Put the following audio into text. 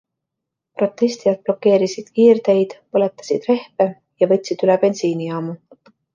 Protestijad blokeerisid kiirteid, põletasid rehve ja võtsid üle bensiinijaamu.